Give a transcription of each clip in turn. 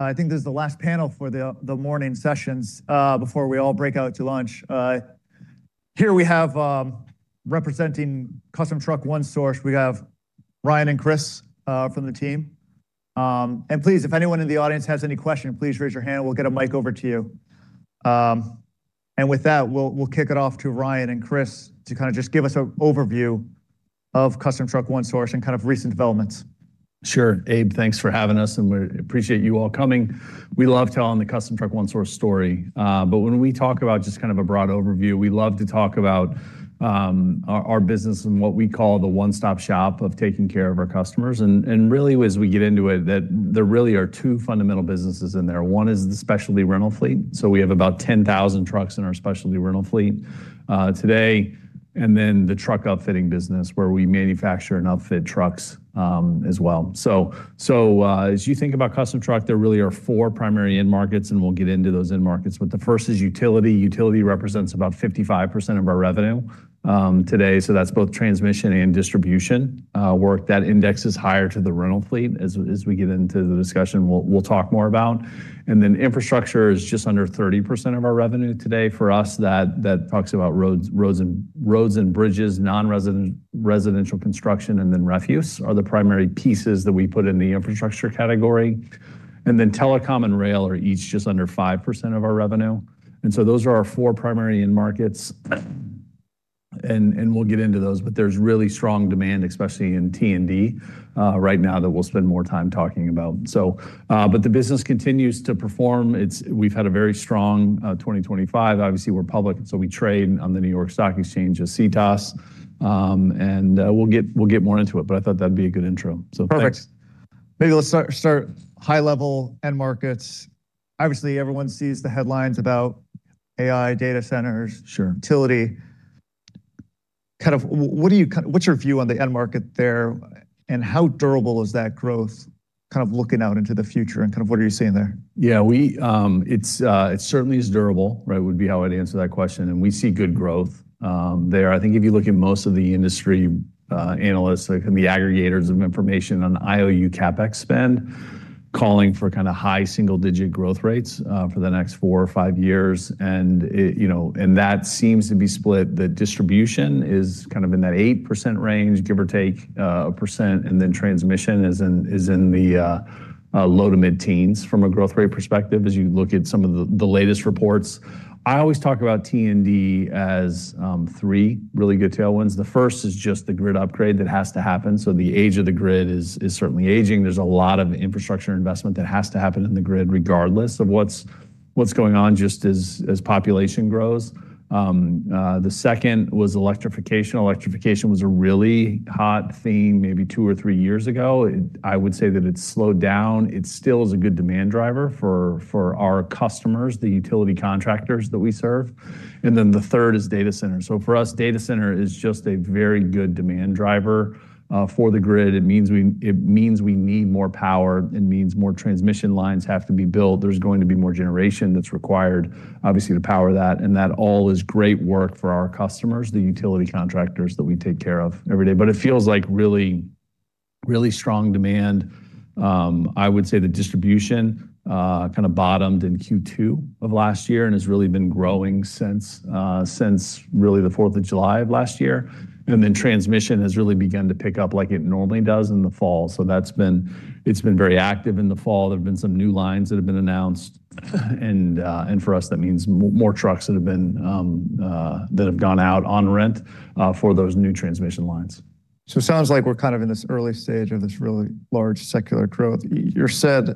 I think this is the last panel for the morning sessions before we all break out to lunch. Here we have representing Custom Truck One Source, we have Ryan and Chris from the team. If anyone in the audience has any questions, please raise your hand. We'll get a mic over to you. With that, we'll kick it off to Ryan and Chris to kind of just give us an overview of Custom Truck One Source and kind of recent developments. Sure. Abe, thanks for having us, and we appreciate you all coming. We love telling the Custom Truck One Source story. When we talk about just kind of a broad overview, we love to talk about our business and what we call the one-stop shop of taking care of our customers. Really, as we get into it, there really are two fundamental businesses in there. One is the specialty rental fleet. We have about 10,000 trucks in our specialty rental fleet today. Then the truck outfitting business, where we manufacture and outfit trucks as well. As you think about Custom Truck, there really are four primary end markets, and we'll get into those end markets. The first is utility. Utility represents about 55% of our revenue today. That is both transmission and distribution work that indexes higher to the rental fleet as we get into the discussion we will talk more about. Infrastructure is just under 30% of our revenue today for us. That talks about roads and bridges, non-residential construction, and then refuse are the primary pieces that we put in the infrastructure category. Telecom and rail are each just under 5% of our revenue. Those are our four primary end markets. We will get into those. There is really strong demand, especially in T&D right now, that we will spend more time talking about. The business continues to perform. We have had a very strong 2025. Obviously, we are public, and we trade on the New York Stock Exchange as CTOS. We will get more into it, but I thought that would be a good intro. Perfect. Maybe let's start high-level end markets. Obviously, everyone sees the headlines about AI data centers, utility. Kind of what's your view on the end market there, and how durable is that growth kind of looking out into the future, and kind of what are you seeing there? Yeah, it certainly is durable, right, would be how I'd answer that question. We see good growth there. I think if you look at most of the industry analysts, the aggregators of information on IOU CapEx spend calling for kind of high single-digit growth rates for the next four or five years. That seems to be split. The distribution is kind of in that 8% range, give or take a percent. Transmission is in the low to mid-teens from a growth rate perspective as you look at some of the latest reports. I always talk about T&D as three really good tailwinds. The first is just the grid upgrade that has to happen. The age of the grid is certainly aging. There is a lot of infrastructure investment that has to happen in the grid regardless of what's going on just as population grows. The second was electrification. Electrification was a really hot theme maybe two or three years ago. I would say that it's slowed down. It still is a good demand driver for our customers, the utility contractors that we serve. The third is data centers. For us, data center is just a very good demand driver for the grid. It means we need more power. It means more transmission lines have to be built. There is going to be more generation that's required, obviously, to power that. That all is great work for our customers, the utility contractors that we take care of every day. It feels like really, really strong demand. I would say the distribution kind of bottomed in Q2 of last year and has really been growing since really the 4th of July of last year. Transmission has really begun to pick up like it normally does in the fall. It has been very active in the fall. There have been some new lines that have been announced. For us, that means more trucks that have gone out on rent for those new transmission lines. It sounds like we're kind of in this early stage of this really large secular growth. You said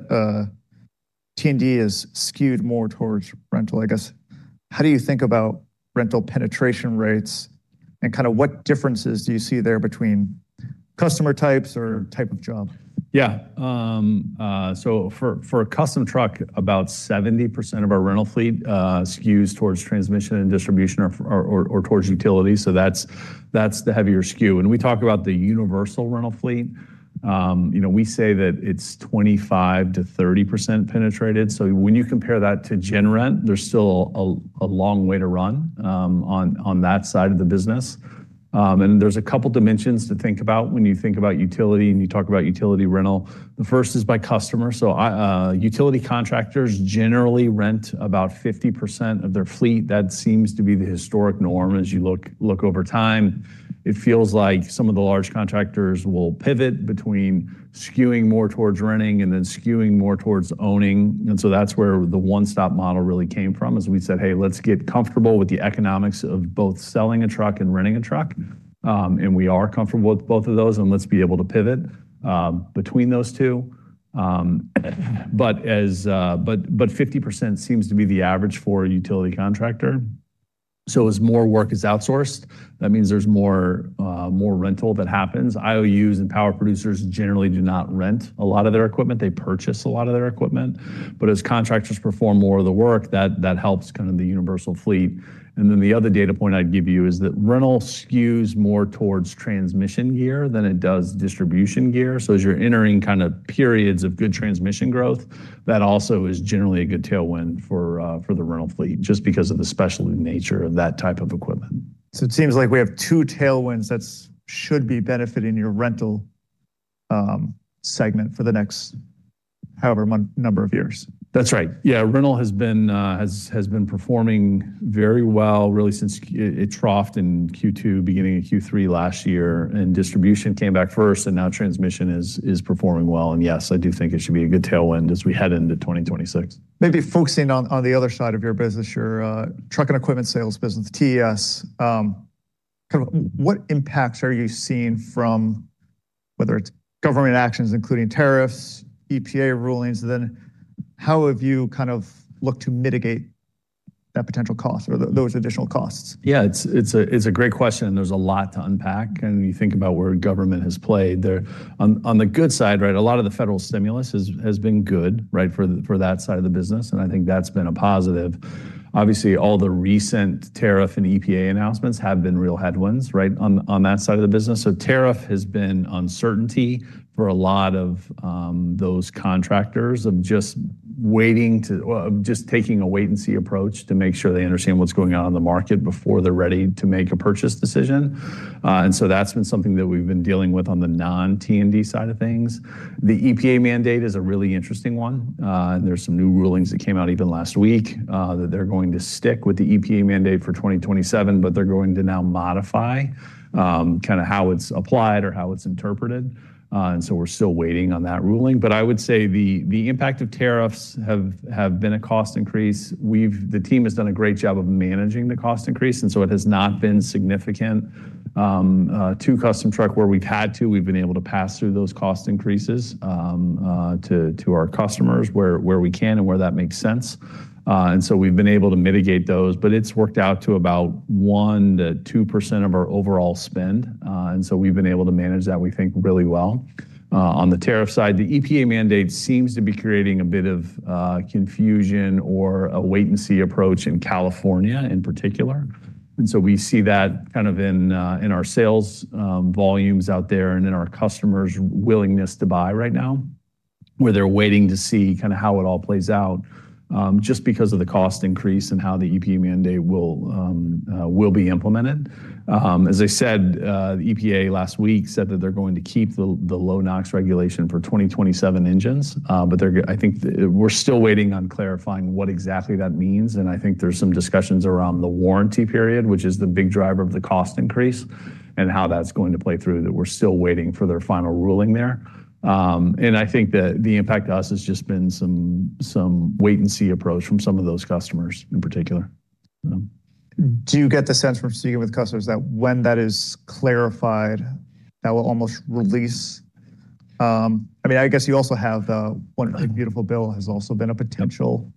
T&D is skewed more towards rental. I guess, how do you think about rental penetration rates and kind of what differences do you see there between customer types or type of job? Yeah. For Custom Truck, about 70% of our rental fleet skews towards transmission and distribution or towards utility. That is the heavier skew. When we talk about the universal rental fleet, we say that it is 25%-30% penetrated. When you compare that to gen rent, there is still a long way to run on that side of the business. There are a couple of dimensions to think about when you think about utility and you talk about utility rental. The first is by customer. Utility contractors generally rent about 50% of their fleet. That seems to be the historic norm as you look over time. It feels like some of the large contractors will pivot between skewing more towards renting and then skewing more towards owning. That is where the one-stop model really came from, as we said, "Hey, let's get comfortable with the economics of both selling a truck and renting a truck." We are comfortable with both of those, and let's be able to pivot between those two. Fifty percent seems to be the average for a utility contractor. As more work is outsourced, that means there is more rental that happens. IOUs and power producers generally do not rent a lot of their equipment. They purchase a lot of their equipment. As contractors perform more of the work, that helps kind of the universal fleet. The other data point I would give you is that rental skews more towards transmission gear than it does distribution gear. As you're entering kind of periods of good transmission growth, that also is generally a good tailwind for the rental fleet just because of the specialty nature of that type of equipment. It seems like we have two tailwinds that should be benefiting your rental segment for the next however number of years. That's right. Yeah, rental has been performing very well really since it troughed in Q2, beginning in Q3 last year. Distribution came back first, and now transmission is performing well. Yes, I do think it should be a good tailwind as we head into 2026. Maybe focusing on the other side of your business, your truck and equipment sales business, TES, kind of what impacts are you seeing from whether it's government actions, including tariffs, EPA rulings? How have you kind of looked to mitigate that potential cost or those additional costs? Yeah, it's a great question. There's a lot to unpack. You think about where government has played there. On the good side, right, a lot of the federal stimulus has been good, right, for that side of the business. I think that's been a positive. Obviously, all the recent tariff and EPA announcements have been real headwinds, right, on that side of the business. Tariff has been uncertainty for a lot of those contractors, just taking a wait-and-see approach to make sure they understand what's going on in the market before they're ready to make a purchase decision. That's been something that we've been dealing with on the non-T&D side of things. The EPA mandate is a really interesting one. are some new rulings that came out even last week that they are going to stick with the EPA mandate for 2027, but they are going to now modify kind of how it is applied or how it is interpreted. We are still waiting on that ruling. I would say the impact of tariffs has been a cost increase. The team has done a great job of managing the cost increase. It has not been significant to Custom Truck where we have had to. We have been able to pass through those cost increases to our customers where we can and where that makes sense. We have been able to mitigate those. It has worked out to about 1%-2% of our overall spend. We have been able to manage that, we think, really well. On the tariff side, the EPA mandate seems to be creating a bit of confusion or a wait-and-see approach in California in particular. We see that kind of in our sales volumes out there and in our customers' willingness to buy right now, where they're waiting to see kind of how it all plays out just because of the cost increase and how the EPA mandate will be implemented. As I said, the EPA last week said that they're going to keep the low NOx regulation for 2027 engines. I think we're still waiting on clarifying what exactly that means. I think there's some discussions around the warranty period, which is the big driver of the cost increase and how that's going to play through that we're still waiting for their final ruling there. I think that the impact to us has just been some wait-and-see approach from some of those customers in particular. Do you get the sense from speaking with customers that when that is clarified, that will almost release? I mean, I guess you also have one very beautiful bill has also been a potential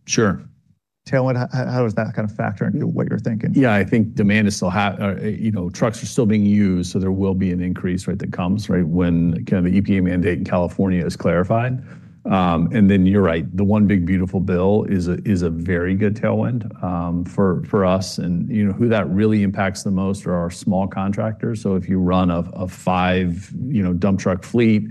tailwind. How is that kind of factoring what you're thinking? Yeah, I think demand is still, trucks are still being used. There will be an increase, right, that comes, right, when kind of the EPA mandate in California is clarified. You are right, the one big beautiful bill is a very good tailwind for us. Who that really impacts the most are our small contractors. If you run a five-dump truck fleet,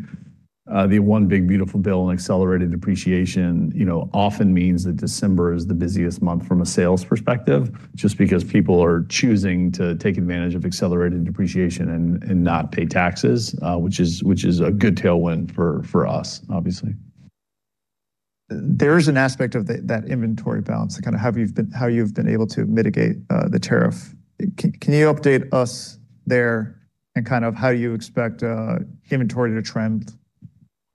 the one big beautiful bill and accelerated depreciation often means that December is the busiest month from a sales perspective just because people are choosing to take advantage of accelerated depreciation and not pay taxes, which is a good tailwind for us, obviously. There is an aspect of that inventory balance and kind of how you've been able to mitigate the tariff. Can you update us there and kind of how you expect inventory to trend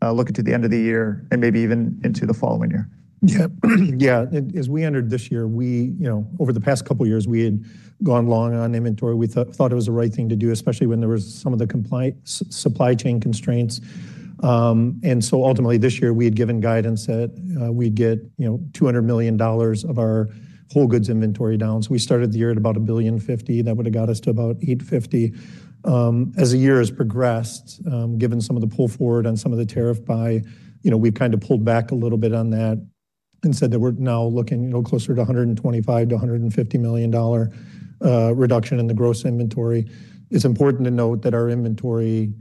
looking to the end of the year and maybe even into the following year? Yeah. Yeah. As we entered this year, over the past couple of years, we had gone long on inventory. We thought it was the right thing to do, especially when there were some of the supply chain constraints. Ultimately, this year, we had given guidance that we'd get $200 million of our whole goods inventory down. We started the year at about $1.05 billion. That would have got us to about $850 million. As the year has progressed, given some of the pull forward on some of the tariff buy, we've kind of pulled back a little bit on that and said that we're now looking closer to $125 million-$150 million reduction in the gross inventory. It's important to note that our inventory,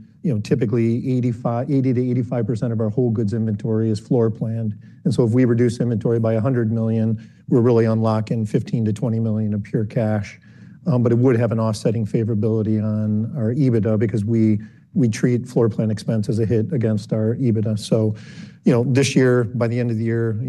typically 80%-85% of our whole goods inventory is floor planned. If we reduce inventory by $100 million, we're really unlocking $15 million-$20 million of pure cash. It would have an offsetting favorability on our EBITDA because we treat floor plan expense as a hit against our EBITDA. This year, by the end of the year, $125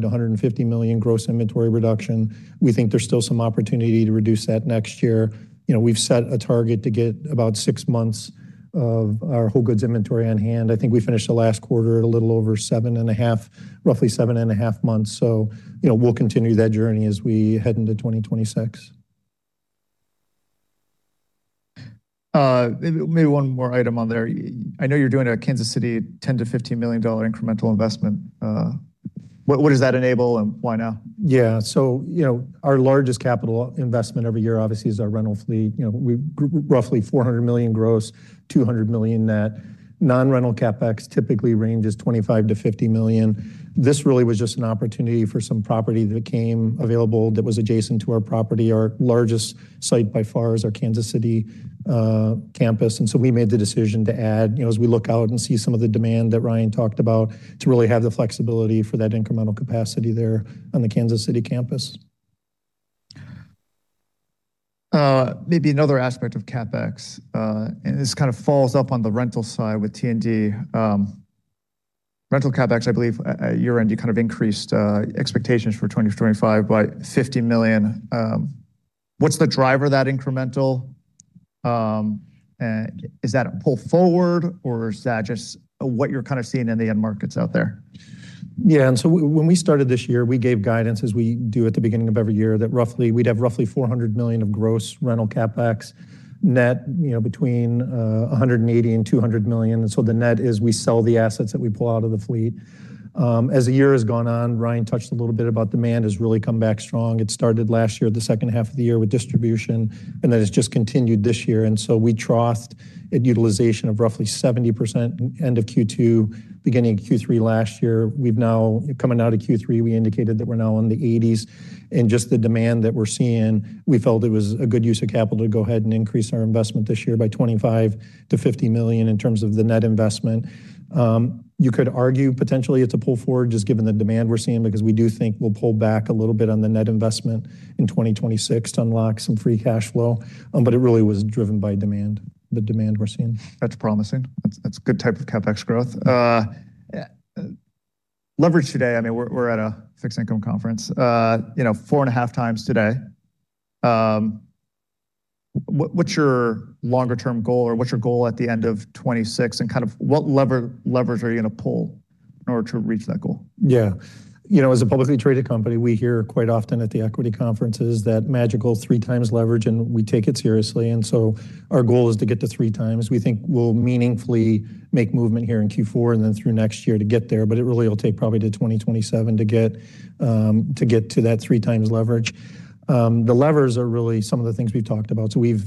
million-$150 million gross inventory reduction. We think there's still some opportunity to reduce that next year. We've set a target to get about six months of our whole goods inventory on hand. I think we finished the last quarter at a little over seven and a half, roughly seven and a half months. We'll continue that journey as we head into 2026. Maybe one more item on there. I know you're doing a Kansas City $10 million-$15 million incremental investment. What does that enable and why now? Yeah. Our largest capital investment every year, obviously, is our rental fleet. Roughly $400 million gross, $200 million net. Non-rental CapEx typically ranges $25 million-$50 million. This really was just an opportunity for some property that became available that was adjacent to our property. Our largest site by far is our Kansas City campus. We made the decision to add, as we look out and see some of the demand that Ryan talked about, to really have the flexibility for that incremental capacity there on the Kansas City campus. Maybe another aspect of CapEx, and this kind of falls up on the rental side with T&D. Rental CapEx, I believe at year end, you kind of increased expectations for 2025 by $50 million. What's the driver of that incremental? Is that a pull forward, or is that just what you're kind of seeing in the end markets out there? Yeah. When we started this year, we gave guidance, as we do at the beginning of every year, that we'd have roughly $400 million of gross rental CapEx, net between $180 million and $200 million. The net is we sell the assets that we pull out of the fleet. As the year has gone on, Ryan touched a little bit about demand has really come back strong. It started last year in the second half of the year with distribution, and then it's just continued this year. We troughed at utilization of roughly 70% end of Q2, beginning of Q3 last year. We've now, coming out of Q3, indicated that we're now in the 80s. Just the demand that we're seeing, we felt it was a good use of capital to go ahead and increase our investment this year by $25 million-$50 million in terms of the net investment. You could argue potentially it's a pull forward just given the demand we're seeing because we do think we'll pull back a little bit on the net investment in 2026 to unlock some free cash flow. It really was driven by demand, the demand we're seeing. That's promising. That's a good type of CapEx growth. Leverage today, I mean, we're at a fixed income conference, four and a half times today. What's your longer-term goal, or what's your goal at the end of 2026, and kind of what levers are you going to pull in order to reach that goal? Yeah. As a publicly traded company, we hear quite often at the equity conferences that magical three times leverage, and we take it seriously. Our goal is to get to three times. We think we'll meaningfully make movement here in Q4 and then through next year to get there. It really will take probably to 2027 to get to that three times leverage. The levers are really some of the things we've talked about. If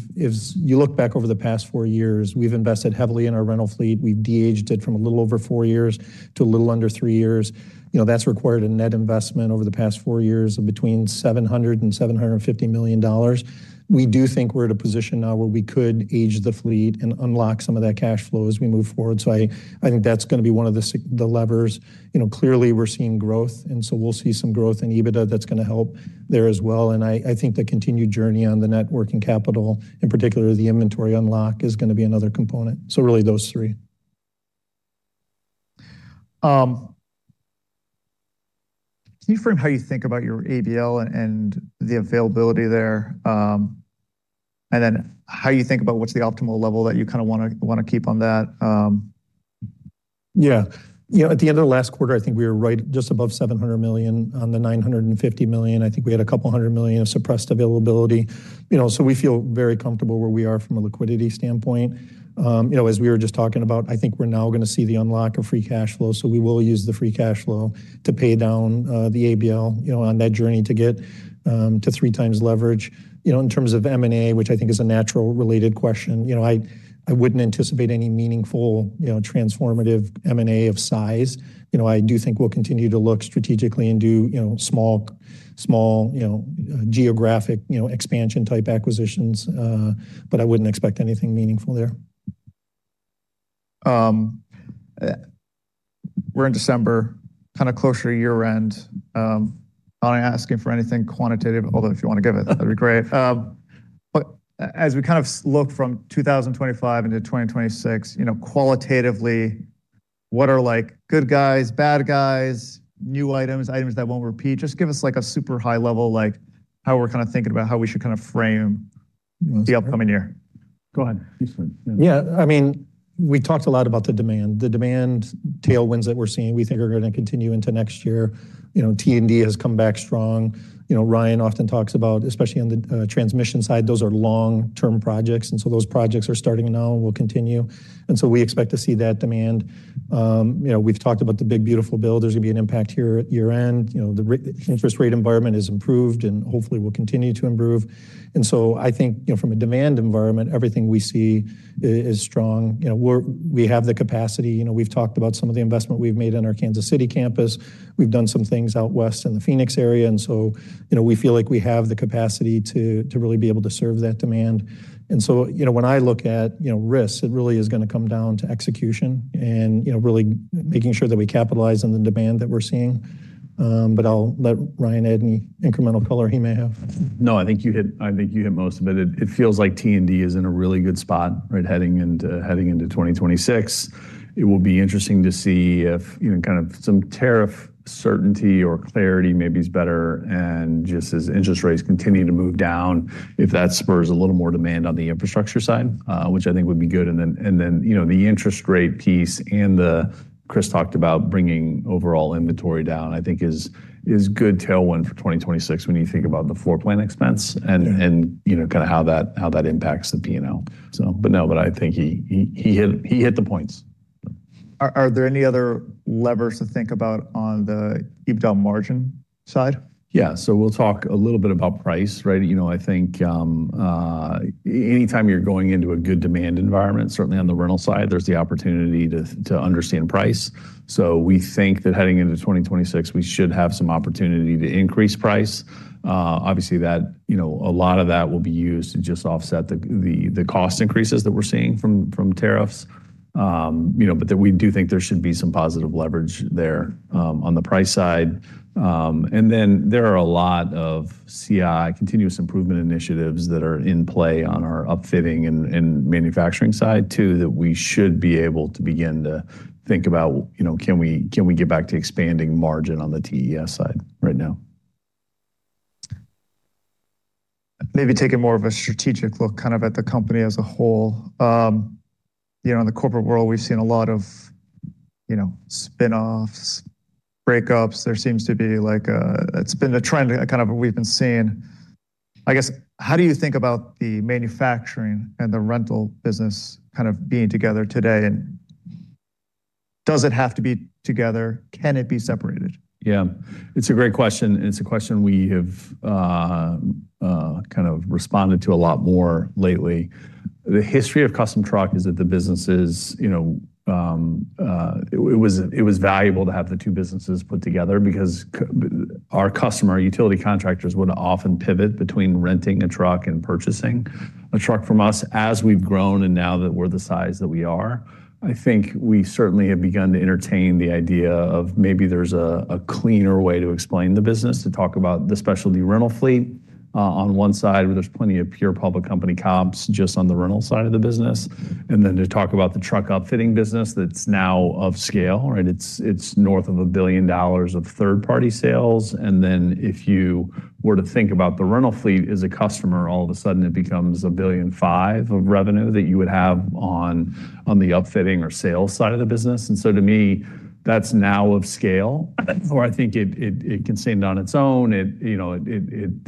you look back over the past four years, we've invested heavily in our rental fleet. We've de-aged it from a little over four years to a little under three years. That's required a net investment over the past four years of between $700 million and $750 million. We do think we're at a position now where we could age the fleet and unlock some of that cash flow as we move forward. I think that's going to be one of the levers. Clearly, we're seeing growth. We will see some growth in EBITDA that's going to help there as well. I think the continued journey on the networking capital, in particular the inventory unlock, is going to be another component. Really those three. Can you frame how you think about your ABL and the availability there? And then how you think about what's the optimal level that you kind of want to keep on that? Yeah. At the end of the last quarter, I think we were right just above $700 million on the $950 million. I think we had a couple hundred million of suppressed availability. We feel very comfortable where we are from a liquidity standpoint. As we were just talking about, I think we're now going to see the unlock of free cash flow. We will use the free cash flow to pay down the ABL on that journey to get to three times leverage. In terms of M&A, which I think is a natural related question, I wouldn't anticipate any meaningful transformative M&A of size. I do think we'll continue to look strategically and do small geographic expansion-type acquisitions. I wouldn't expect anything meaningful there. We're in December, kind of closer to year-end. I'm not asking for anything quantitative, although if you want to give it, that'd be great. As we kind of look from 2025 into 2026, qualitatively, what are good guys, bad guys, new items, items that won't repeat? Just give us a super high level how we're kind of thinking about how we should kind of frame the upcoming year. Go ahead. Yeah. I mean, we talked a lot about the demand. The demand tailwinds that we're seeing, we think are going to continue into next year. T&D has come back strong. Ryan often talks about, especially on the transmission side, those are long-term projects. Those projects are starting now and will continue. We expect to see that demand. We've talked about the big beautiful build. There's going to be an impact here at year-end. The interest rate environment has improved and hopefully will continue to improve. I think from a demand environment, everything we see is strong. We have the capacity. We've talked about some of the investment we've made on our Kansas City campus. We've done some things out west in the Phoenix area. We feel like we have the capacity to really be able to serve that demand. When I look at risks, it really is going to come down to execution and really making sure that we capitalize on the demand that we're seeing. I'll let Ryan add any incremental color he may have. No, I think you hit most of it. It feels like T&D is in a really good spot, right, heading into 2026. It will be interesting to see if kind of some tariff certainty or clarity maybe is better and just as interest rates continue to move down, if that spurs a little more demand on the infrastructure side, which I think would be good. The interest rate piece and Chris talked about bringing overall inventory down, I think is a good tailwind for 2026 when you think about the floor plan expense and kind of how that impacts the P&L. No, I think he hit the points. Are there any other levers to think about on the EBITDA margin side? Yeah. We'll talk a little bit about price, right? I think anytime you're going into a good demand environment, certainly on the rental side, there's the opportunity to understand price. We think that heading into 2026, we should have some opportunity to increase price. Obviously, a lot of that will be used to just offset the cost increases that we're seeing from tariffs. We do think there should be some positive leverage there on the price side. There are a lot of CI, continuous improvement initiatives that are in play on our upfitting and manufacturing side too that we should be able to begin to think about, can we get back to expanding margin on the TES side right now? Maybe take a more of a strategic look kind of at the company as a whole. In the corporate world, we've seen a lot of spinoffs, breakups. There seems to be like it's been a trend kind of we've been seeing. I guess, how do you think about the manufacturing and the rental business kind of being together today? Does it have to be together? Can it be separated? Yeah. It's a great question. It's a question we have kind of responded to a lot more lately. The history of Custom Truck is that the businesses, it was valuable to have the two businesses put together because our customer, utility contractors, would often pivot between renting a truck and purchasing a truck from us as we've grown and now that we're the size that we are. I think we certainly have begun to entertain the idea of maybe there's a cleaner way to explain the business, to talk about the specialty rental fleet on one side where there's plenty of pure public company comps just on the rental side of the business, and then to talk about the truck upfitting business that's now of scale, right? It's north of a billion dollars of third-party sales. If you were to think about the rental fleet as a customer, all of a sudden it becomes $1.5 billion of revenue that you would have on the upfitting or sales side of the business. To me, that's now of scale where I think it can stand on its own. It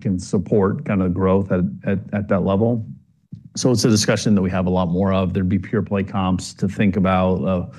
can support kind of growth at that level. It's a discussion that we have a lot more of. There would be pure play comps to think about, a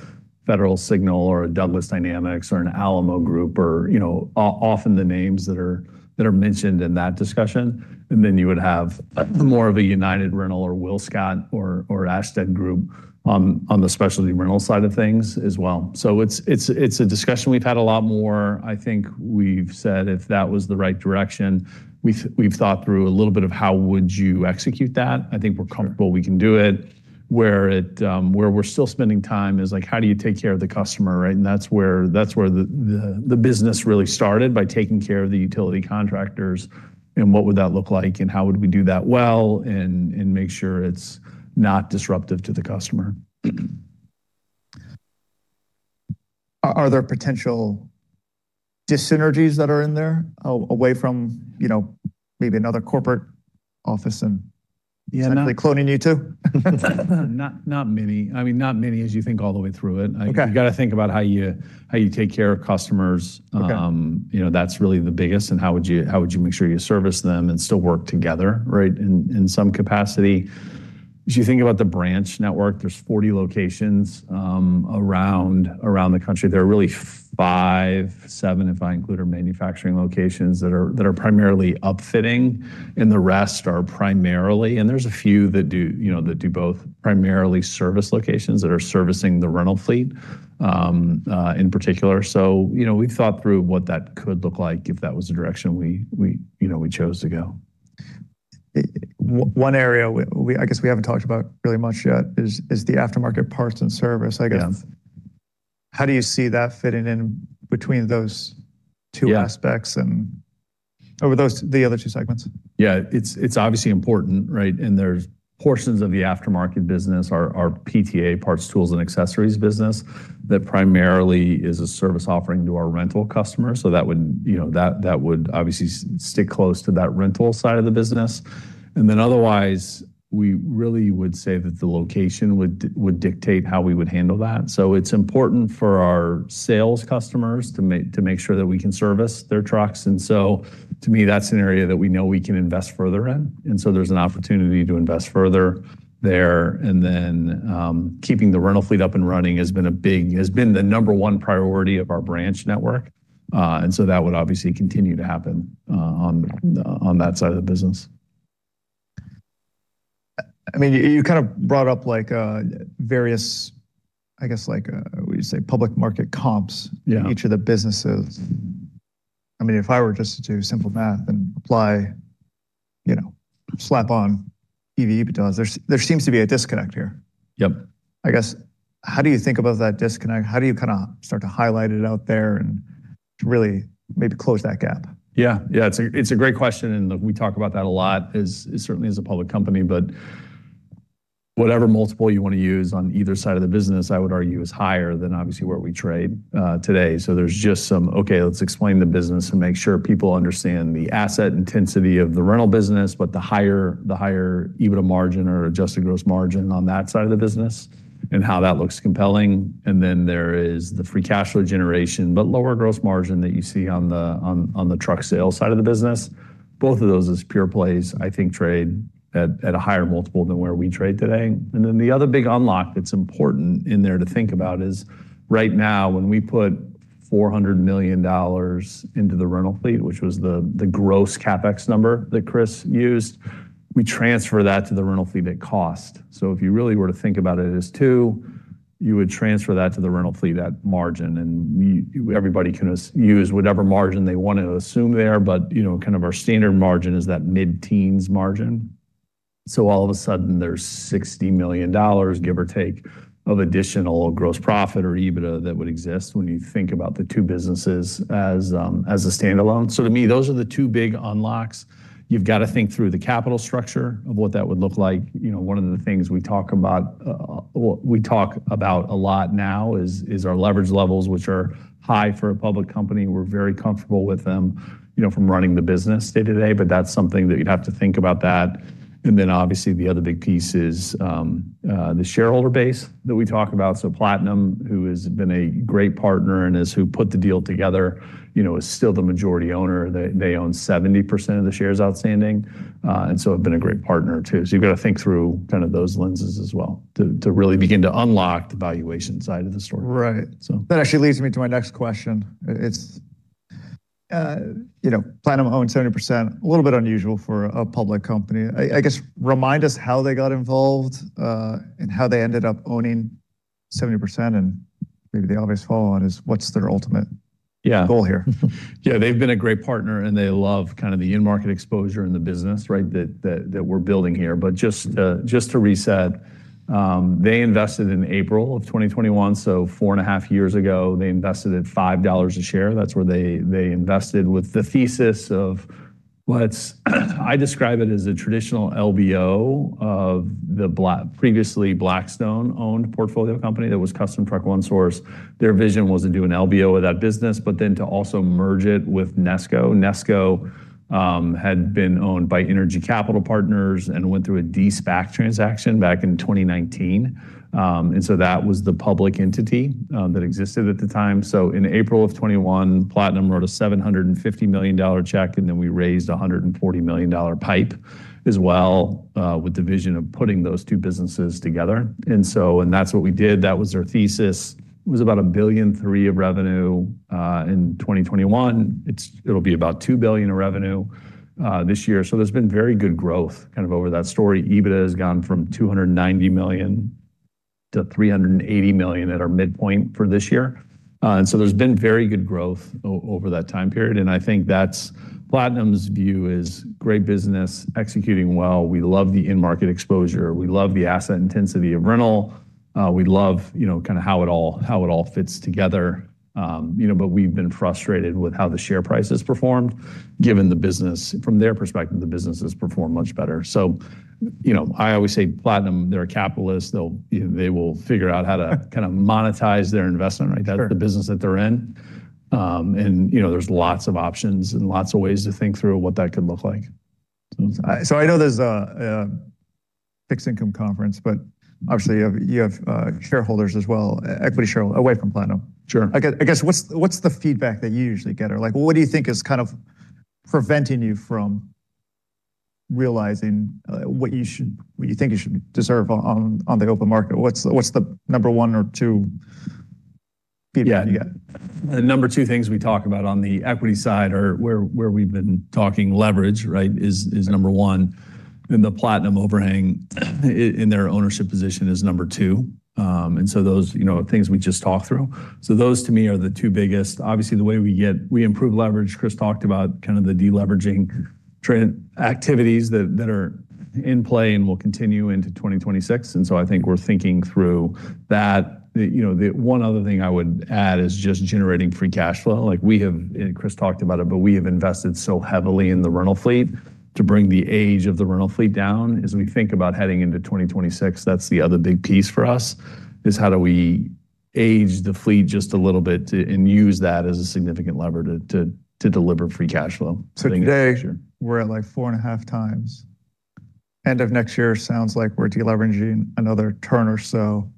Federal Signal or a Douglas Dynamics or an Alamo Group are often the names that are mentioned in that discussion. You would have more of a United Rentals or WillScot or Ashtead Group on the specialty rental side of things as well. It's a discussion we've had a lot more. I think we've said if that was the right direction, we've thought through a little bit of how would you execute that. I think we're comfortable we can do it. Where we're still spending time is like, how do you take care of the customer, right? That's where the business really started by taking care of the utility contractors. What would that look like? How would we do that well and make sure it's not disruptive to the customer? Are there potential dis-synergies that are in there away from maybe another corporate office and simply cloning you two? Not many. I mean, not many as you think all the way through it. You have got to think about how you take care of customers. That is really the biggest. And how would you make sure you service them and still work together, right, in some capacity? As you think about the branch network, there are 40 locations around the country. There are really five, seven if I include our manufacturing locations that are primarily upfitting, and the rest are primarily, and there are a few that do both, primarily service locations that are servicing the rental fleet in particular. We have thought through what that could look like if that was the direction we chose to go. One area I guess we haven't talked about really much yet is the aftermarket parts and service. I guess how do you see that fitting in between those two aspects and over the other two segments? Yeah. It's obviously important, right? And there's portions of the aftermarket business, our PTA parts, tools, and accessories business that primarily is a service offering to our rental customers. That would obviously stick close to that rental side of the business. Otherwise, we really would say that the location would dictate how we would handle that. It's important for our sales customers to make sure that we can service their trucks. To me, that's an area that we know we can invest further in. There's an opportunity to invest further there. Keeping the rental fleet up and running has been the number one priority of our branch network. That would obviously continue to happen on that side of the business. I mean, you kind of brought up various, I guess, what would you say, public market comps in each of the businesses. I mean, if I were just to do simple math and apply, slap on EV EBITDAs, there seems to be a disconnect here. Yep. I guess, how do you think about that disconnect? How do you kind of start to highlight it out there and really maybe close that gap? Yeah. Yeah. It's a great question. We talk about that a lot, certainly as a public company. Whatever multiple you want to use on either side of the business, I would argue is higher than obviously where we trade today. There is just some, okay, let's explain the business and make sure people understand the asset intensity of the rental business, but the higher EBITDA margin or adjusted gross margin on that side of the business and how that looks compelling. There is the free cash flow generation, but lower gross margin that you see on the truck sales side of the business. Both of those as pure plays, I think, trade at a higher multiple than where we trade today. The other big unlock that's important in there to think about is right now when we put $400 million into the rental fleet, which was the gross CapEx number that Chris used, we transfer that to the rental fleet at cost. If you really were to think about it as two, you would transfer that to the rental fleet, that margin, and everybody can use whatever margin they want to assume there. Kind of our standard margin is that mid-teens margin. All of a sudden, there's $60 million, give or take, of additional gross profit or EBITDA that would exist when you think about the two businesses as a standalone. To me, those are the two big unlocks. You've got to think through the capital structure of what that would look like. One of the things we talk about, we talk about a lot now is our leverage levels, which are high for a public company. We're very comfortable with them from running the business day to day. That's something that you'd have to think about. Obviously, the other big piece is the shareholder base that we talk about. Platinum, who has been a great partner and has put the deal together, is still the majority owner. They own 70% of the shares outstanding. They have been a great partner too. You've got to think through kind of those lenses as well to really begin to unlock the valuation side of the story. Right. That actually leads me to my next question. Platinum owns 70%. A little bit unusual for a public company. I guess, remind us how they got involved and how they ended up owning 70%. Maybe the obvious follow-on is what's their ultimate goal here? Yeah. They've been a great partner, and they love kind of the in-market exposure in the business, right, that we're building here. Just to reset, they invested in April of 2021. Four and a half years ago, they invested at $5 a share. That's where they invested with the thesis of what I describe as a traditional LBO of the previously Blackstone-owned portfolio company that was Custom Truck One Source. Their vision was to do an LBO of that business, but then to also merge it with Nesco. Nesco had been owned by Energy Capital Partners and went through a De-SPAC transaction back in 2019. That was the public entity that existed at the time. In April of 2021, Platinum wrote a $750 million check, and then we raised a $140 million PIPE as well with the vision of putting those two businesses together. That was their thesis. It was about $1.3 billion of revenue in 2021. It'll be about $2 billion of revenue this year. There has been very good growth kind of over that story. EBITDA has gone from $290 million to $380 million at our midpoint for this year. There has been very good growth over that time period. I think that's Platinum's view: great business, executing well. We love the in-market exposure. We love the asset intensity of rental. We love kind of how it all fits together. We have been frustrated with how the share price has performed given the business. From their perspective, the business has performed much better. I always say Platinum, they're a capitalist. They will figure out how to kind of monetize their investment, right? That's the business that they're in. There are lots of options and lots of ways to think through what that could look like. I know there's a fixed income conference, but obviously, you have shareholders as well, equity shareholders away from Platinum. Sure. I guess, what's the feedback that you usually get? Or what do you think is kind of preventing you from realizing what you think you should deserve on the open market? What's the number one or two feedback you get? The number two things we talk about on the equity side or where we've been talking leverage, right, is number one. The Platinum overhang in their ownership position is number two. Those things we just talked through. Those to me are the two biggest. Obviously, the way we improve leverage, Chris talked about kind of the deleveraging activities that are in play and will continue into 2026. I think we're thinking through that. One other thing I would add is just generating free cash flow. Chris talked about it, but we have invested so heavily in the rental fleet to bring the age of the rental fleet down. As we think about heading into 2026, that's the other big piece for us is how do we age the fleet just a little bit and use that as a significant lever to deliver free cash flow. Today, we're at like four and a half times. End of next year sounds like we're deleveraging another turn or so,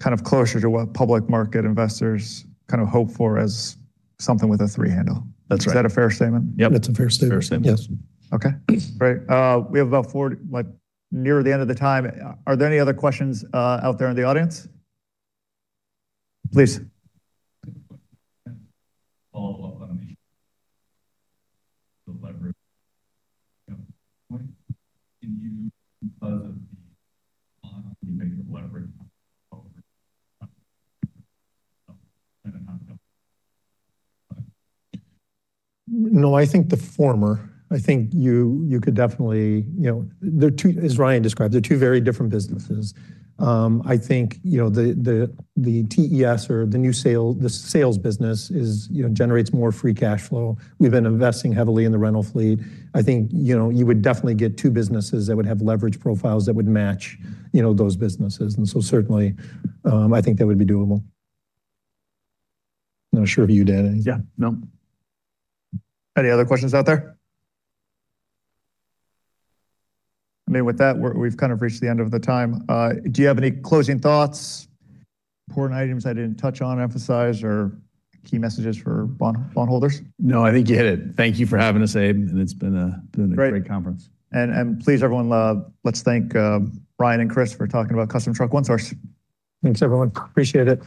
kind of closer to what public market investors kind of hope for as something with a three handle. That's right. Is that a fair statement? Yep. That's a fair statement. Fair statement. Yes. Okay. Great. We have about near the end of the time. Are there any other questions out there in the audience? Please. No, I think the former. I think you could definitely, as Ryan described, they're two very different businesses. I think the TES or the new sales, the sales business generates more free cash flow. We've been investing heavily in the rental fleet. I think you would definitely get two businesses that would have leverage profiles that would match those businesses. Certainly, I think that would be doable. Not sure if you did anything. Yeah. No. Any other questions out there? I mean, with that, we've kind of reached the end of the time. Do you have any closing thoughts? Important items I didn't touch on, emphasize, or key messages for bondholders? No, I think you hit it. Thank you for having us, Abe. It has been a great conference. Please, everyone, let's thank Ryan and Chris for talking about Custom Truck One Source. Thanks, everyone. Appreciate it.